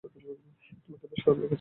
তোমাকে বেশ খারাপ দেখাচ্ছে।